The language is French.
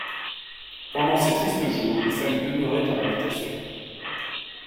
Pendant ces tristes jours, il fallut demeurer dans l’habitation.